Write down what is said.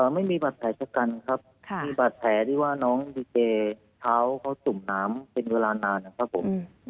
ไม่มีบาดแผลชะกันครับมีบาดแผลที่ว่าน้องดีเจเท้าเขาสุ่มน้ำเป็นเวลานานนะครับผม